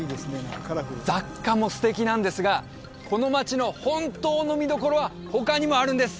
雑貨も素敵なんですがこの街の本当の見どころは他にもあるんです！